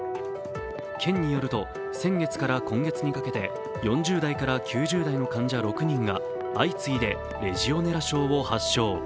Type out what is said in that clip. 県によると、先月から今月にかけて４０代から９０代の患者６人が相次いでレジオネラ症を発症。